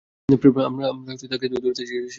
প্রেম, আমরা তাকে ধরতে আর সে তাদের ধরতে ধ্যাত।